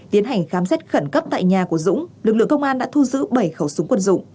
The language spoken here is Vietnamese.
tiến hành khám xét khẩn cấp tại nhà của dũng lực lượng công an đã thu giữ bảy khẩu súng quân dụng